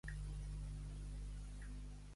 Si vols tenir bons cans, que en vinguin de casta.